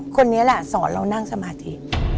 คนนี้แหละสอนเรานั่งสมาธิ